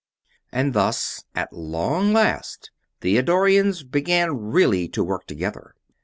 And thus, at long last, the Eddorians began really to work together.